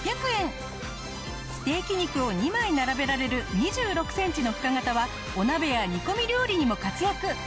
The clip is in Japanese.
ステーキ肉を２枚並べられる２６センチの深型はお鍋や煮込み料理にも活躍。